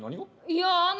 いやあの。